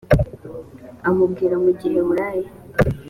amubwira mu giheburayo i